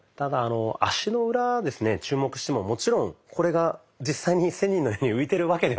足の裏ですね注目してももちろんこれが実際に仙人のように浮いてるわけではないんですよね。